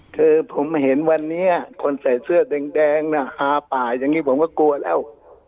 คือผมเห็นวันนี้คนใส่เสื้อแดงน่ะฮาป่าอย่างนี้ผมก็กลัวแล้ว